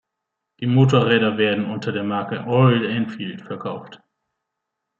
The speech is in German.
Die Motorräder werden unter der Marke „Royal Enfield“ verkauft.